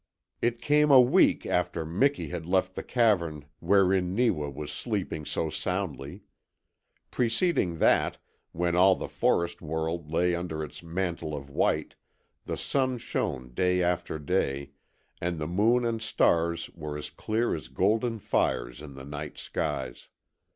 It came a week after Miki had left the cavern wherein Neewa was sleeping so soundly. Preceding that, when all the forest world lay under its mantle of white, the sun shone day after day, and the moon and stars were as clear as golden fires in the night skies.